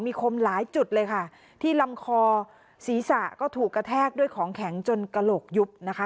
มีคมหลายจุดเลยค่ะที่ลำคอศีรษะก็ถูกกระแทกด้วยของแข็งจนกระโหลกยุบนะคะ